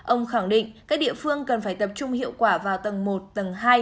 ông khẳng định các địa phương cần phải tập trung hiệu quả vào tầng một tầng hai